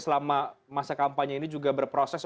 selama masa kampanye ini juga berproses